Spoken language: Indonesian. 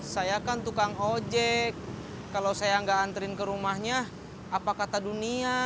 saya kan tukang ojek kalau saya gak nganterin kerumahnya apa kata dunia